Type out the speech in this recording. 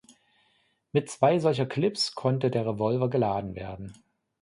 Mit zwei solcher Clips konnte der Revolver geladen werden.